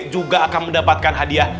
juga akan mendapatkan hadiah